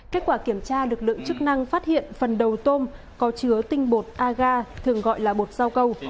kết quả kiểm tra được lượng chức năng phát hiện phần đầu tôm có chứa tinh bột agar thường gọi là bột rau câu